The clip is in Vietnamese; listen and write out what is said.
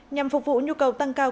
nhằm phục vụ nhu cầu tăng cao